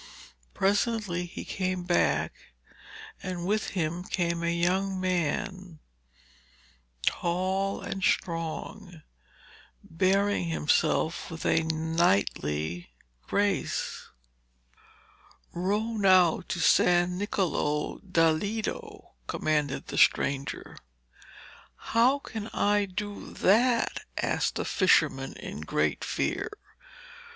Presently he came back, and with him came a young man, tall and strong, bearing himself with a knightly grace. 'Row now to San Niccolo da Lido,' commanded the stranger. 'How can I do that?' asked the fisherman in great fear.